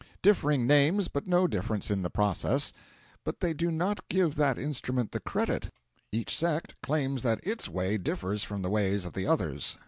Differing names, but no difference in the process. But they do not give that instrument the credit; each sect claims that its way differs from the ways of the others.